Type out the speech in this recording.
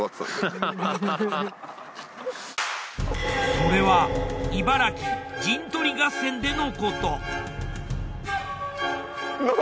それは茨城陣取り合戦でのこと。